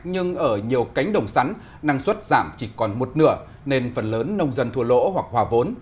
nhưng ở nhiều cánh đồng sắn năng suất giảm chỉ còn một nửa nên phần lớn nông dân thua lỗ hoặc hòa vốn